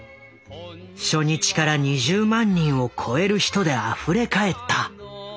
初日から２０万人を超える人であふれ返った。